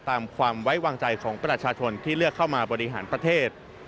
ความไว้วางใจของประชาชนที่เลือกเข้ามาบริหารประเทศ